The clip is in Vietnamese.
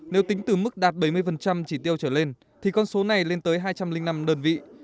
nếu tính từ mức đạt bảy mươi chỉ tiêu trở lên thì con số này lên tới hai trăm linh năm đơn vị